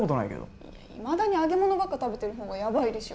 いまだに揚げ物ばっか食べてる方がやばいでしょ。